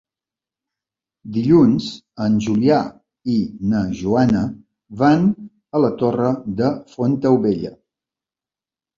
Dilluns en Julià i na Joana van a la Torre de Fontaubella.